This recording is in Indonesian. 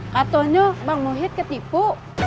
katanya bang nuhit ketipu